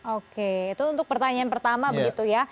oke itu untuk pertanyaan pertama begitu ya